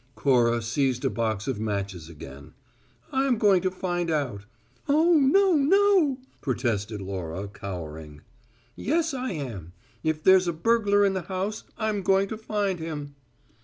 Cora seized a box of matches again. "I'm going to find out." "Oh, no, no!" protested Laura, cowering. "Yes, I am. If there's a burglar in the house I'm going to find him!"